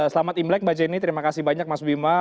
selamat imlek mbak jenny terima kasih banyak mas bima